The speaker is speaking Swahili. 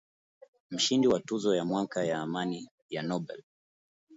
Mshindi wa tuzo ya mwaka ya Amani ya Nobel